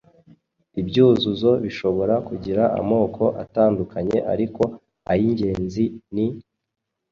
Ibyuzuzo bishobora kugira amoko atandukanye ariko ay’ingenzi ni: